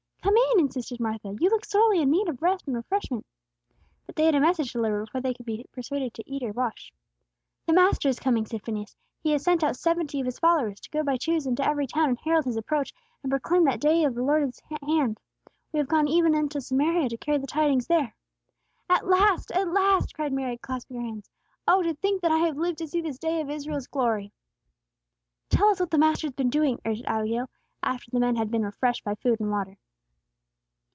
"Come in!" insisted Martha. "You look sorely in need of rest and refreshment." But they had a message to deliver before they could be persuaded to eat or wash. "The Master is coming," said Phineas. "He has sent out seventy of His followers, to go by twos into every town, and herald His approach, and proclaim that the day of the Lord is at hand. We have gone even into Samaria to carry the tidings there." "At last, at last!" cried Mary, clasping her hands. "Oh, to think that I have lived to see this day of Israel's glory!" "Tell us what the Master has been doing," urged Abigail, after the men had been refreshed by food and water.